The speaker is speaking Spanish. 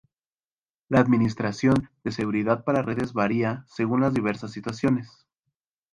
La administración de seguridad para redes varía según las diversas situaciones.